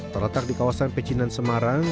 terletak di kawasan pecinan semarang